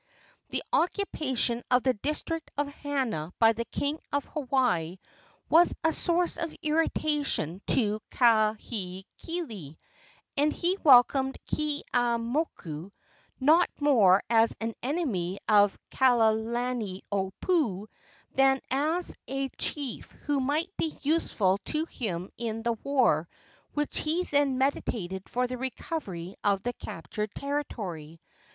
The occupation of the district of Hana by the king of Hawaii was a source of irritation to Kahekili, and he welcomed Keeaumoku, not more as an enemy of Kalaniopuu than as a chief who might be useful to him in the war which he then meditated for the recovery of the captured territory.